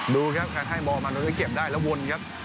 ดูครับคัทให้มออมารถมันก็เก็บได้แล้ววนครับ